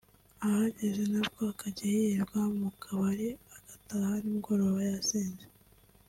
ahageze nabwo akajya yirirwa mu kabari agataha nimugoroba yasinze